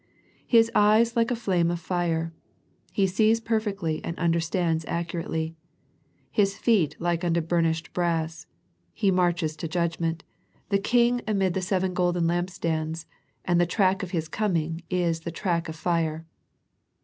His eyes like a flame of fire, He sees perfectly and understands ac curately. His feet like unto burnished brass. He marches to judgment, the King amid the The Thyatira Letter 1 1 3 seven golden lampstands, and the track of His coming is the track of fire.